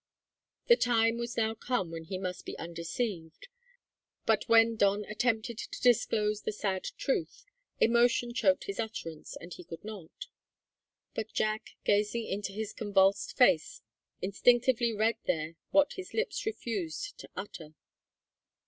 The time was now come when he must be undeceived; but when Don attempted to disclose the sad truth emotion choked his utterance, and he could not. But Jack, gazing into his convulsed face, instinctively read there what his lips refused to utter.